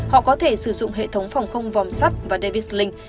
họ có thể sử dụng hệ thống phòng không vòm sắt và davis link